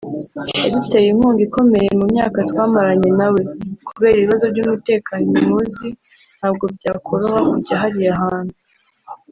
yaduteye inkunga ikomeye mu myaka twamaranye na we […] Kubera ibibazo by’umutekano muzi ntabwo byakoroha kujya hariya hantu